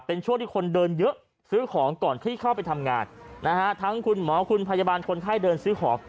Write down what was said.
เป็นช่วงที่คนเดินเยอะซื้อของก่อนที่เข้าไปทำงานนะฮะทั้งคุณหมอคุณพยาบาลคนไข้เดินซื้อของ